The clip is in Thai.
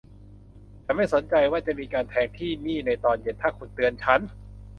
ฉันไม่สนใจว่าจะมีการแทงที่นี่ในตอนเย็นถ้าคุณเตือนฉัน